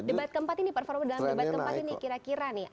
debat keempat ini performa dalam debat keempat ini kira kira nih